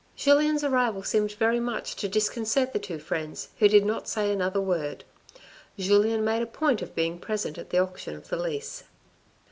Julien's arrival seemed very much to disconcert the two friends who did not say another word. Julien made a point of being present at the auction of the lease.